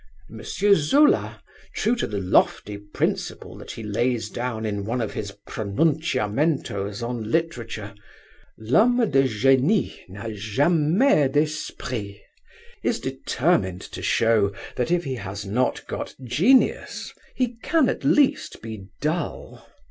M. Zola, true to the lofty principle that he lays down in one of his pronunciamientos on literature, "L'homme de génie n'a jamais d'esprit," is determined to show that, if he has not got genius, he can at least be dull.